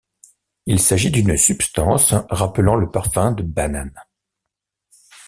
Il s'agit d'une substance rappelant le parfum de banane.